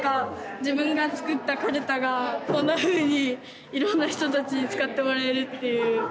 自分が作ったカルタがこんなふうにいろんな人たちに使ってもらえるっていう。